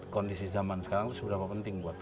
kondisi zaman sekarang itu seberapa penting buat